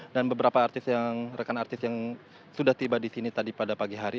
dan beberapa rekan artis yang sudah tiba di sini tadi pada pagi hari